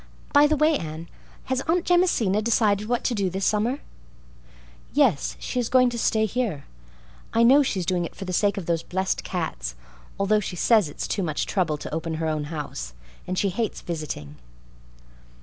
By the way, Anne, has Aunt Jamesina decided what to do this summer?" "Yes, she's going to stay here. I know she's doing it for the sake of those blessed cats, although she says it's too much trouble to open her own house, and she hates visiting."